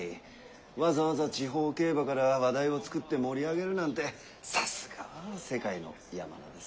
わざわざ地方競馬から話題を作って盛り上げるなんてさすがは世界のヤマナです。